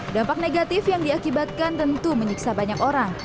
dampak negatif yang diakibatkan tentu menyiksa banyak orang